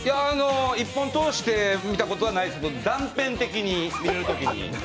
１本通して見たことはないんですけど、断片的に見れるときに。